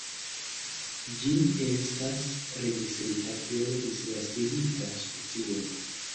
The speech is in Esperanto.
Ĝi estas registrita kiel disvastigita specio.